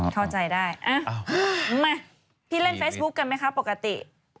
เข้าใจได้มาพี่เล่นเฟซบุ๊คกันไหมคะปกติ